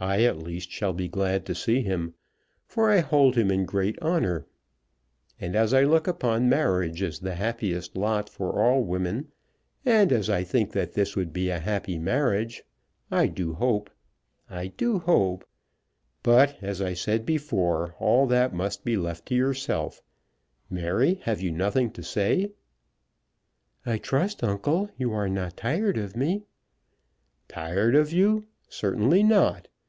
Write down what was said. I at least shall be glad to see him, for I hold him in great honour. And as I look upon marriage as the happiest lot for all women, and as I think that this would be a happy marriage, I do hope, I do hope But as I said before, all that must be left to yourself. Mary, have you nothing to say?" "I trust, uncle, you are not tired of me." "Tired of you! Certainly not.